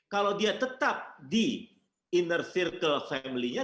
kalau dia tetap di inner circle family nya